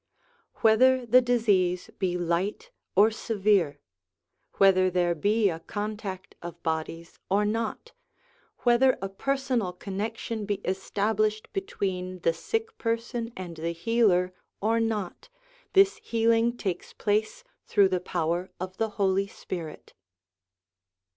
Whether the disease be light or severe, whether there be a contact of bodies or not, whether a personal connection be established between the sick person and the healer or not, this healing takes place through the power of the Holy Spirit.